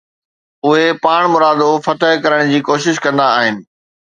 اهي پاڻمرادو فتح ڪرڻ جي ڪوشش ڪندا آهن